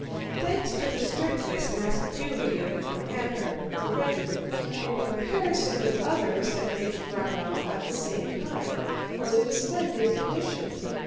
Thanks to the strictness and assiduity of its commander the regiment, in comparison with others that had reached Braunau at the same time, was in splendid condition.